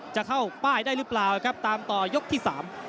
จะเข้าป้ายได้หรือเปล่าครับตามต่อยกที่สาม